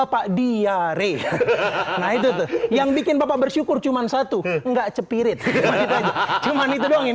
pak diary nah itu tuh yang bikin bapak bersyukur cuman satu ke enggak cepirit cuman itu dong yang